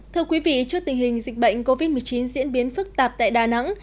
thưa quý vị trước tình hình dịch bệnh covid một mươi chín diễn biến phức tạp tại đà nẵng